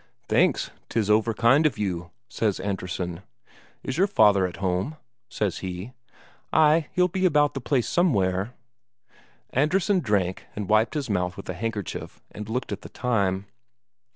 "Thanks, 'tis overkind of you," says Andresen. "Is your father at home?" says he. "Ay; he'll be about the place somewhere." Andresen drank and wiped his mouth with a handkerchief and looked at the time.